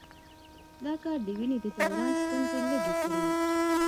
دا کار د وینې د دوران ستونزې لږې کړي.